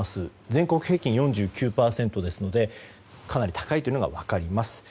全国平均４９％ですのでかなり高いというのが分かります。